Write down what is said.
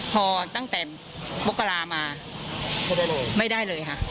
พอตั้งแต่โบกรามาไม่ได้เลยค่ะ